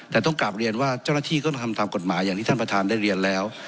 แต่ต้องกลับเรียนว่าเจ้าหน้าที่ก็ต้องทำตามกฎหมายอย่างที่ท่านประธานได้เรียนแล้ว